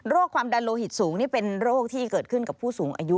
ความดันโลหิตสูงนี่เป็นโรคที่เกิดขึ้นกับผู้สูงอายุ